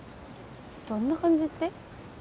どんな感じって？